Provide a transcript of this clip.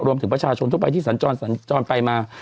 รวมถึงประชาชนทั่วไปที่สัญจรสัญจรไปมา